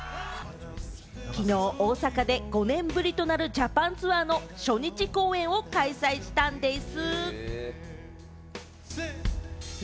きのう、大阪で５年ぶりとなるジャパン・ツアーの初日公演を開催したんでぃす！